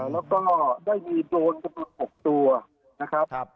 แล้วก็ได้มีโดรนจำนวน๖ตัวนะครับ